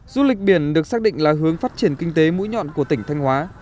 du lịch biển được xác định là hướng phát triển kinh tế mũi nhọn của tỉnh thanh hóa